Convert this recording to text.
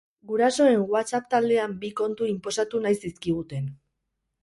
Gurasoen WhatsApp taldean bi kontu inposatu nahi zizkiguten.